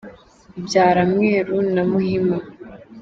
Ibyara mweru na muhima.